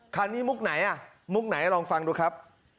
คันนี้มุกไหนอ่ะมุกไหนลองฟังดูครับ